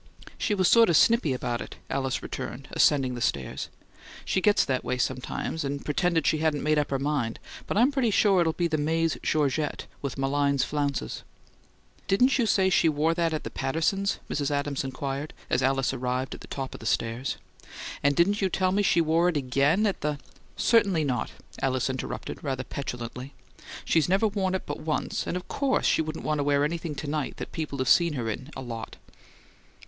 "She was sort of snippy about it," Alice returned, ascending the stairs. "She gets that way sometimes, and pretended she hadn't made up her mind, but I'm pretty sure it'll be the maize Georgette with Malines flounces." "Didn't you say she wore that at the Pattersons'?" Mrs. Adams inquired, as Alice arrived at the top of the stairs. "And didn't you tell me she wore it again at the " "Certainly not," Alice interrupted, rather petulantly. "She's never worn it but once, and of course she wouldn't want to wear anything to night that people have seen her in a lot."